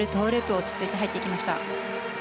落ち着いて入っていきました。